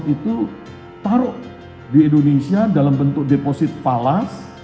itu taruh di indonesia dalam bentuk deposit falas